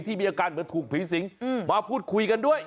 มีอาการเหมือนถูกผีสิงมาพูดคุยกันด้วย